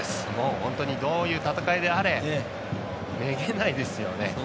本当にどういう戦いであれめげないですよね。